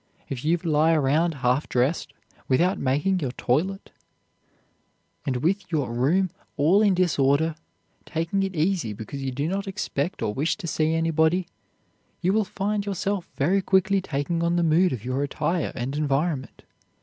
If you lie around half dressed, without making your toilet, and with your room all in disorder, taking it easy because you do not expect or wish to see anybody, you will find yourself very quickly taking on the mood of your attire and environment.